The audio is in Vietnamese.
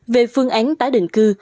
về phương án tái định cư